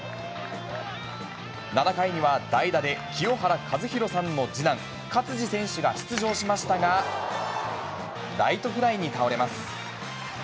７回には、代打で清原和博さんの次男、勝児選手が出場しましたが、ライトフライに倒れます。